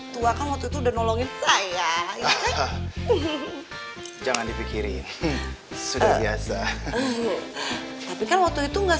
tua kamu tuh udah nolongin saya hahaha jangan dipikirin sudah biasa tapi kan waktu itu enggak